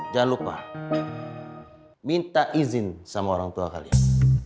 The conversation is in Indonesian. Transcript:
jangan lupa minta izin sama orang tua kalian